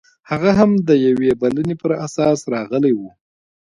هغه هم د یوې بلنې پر اساس راغلی و